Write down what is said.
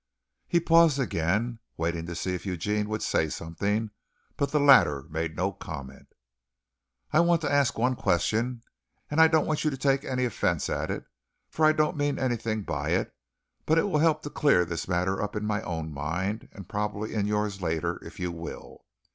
He paused again, waiting to see if Eugene would say something, but the latter made no comment. "I want to ask one question, and I don't want you to take any offense at it, for I don't mean anything by it, but it will help to clear this matter up in my own mind, and probably in yours later, if you will.